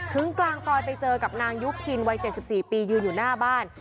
กลางซอยไปเจอกับนางยุพินวัย๗๔ปียืนอยู่หน้าบ้าน